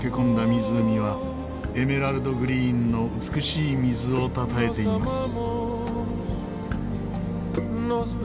湖はエメラルドグリーンの美しい水をたたえています。